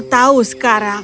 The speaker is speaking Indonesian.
kau tahu sekarang